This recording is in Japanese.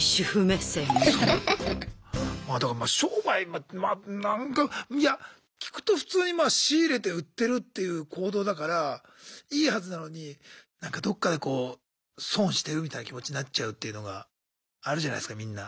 まあだから商売いや聞くと普通にまあ仕入れて売ってるっていう行動だからいいはずなのになんかどっかでこう損してるみたいな気持ちになっちゃうっていうのがあるじゃないすかみんな。